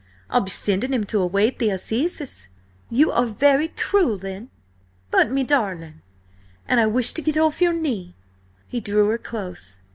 I'll be sending him to await the Assizes." "You are very cruel, then." "But, me darlin'—" "And I wish to get off your knee." He drew her close.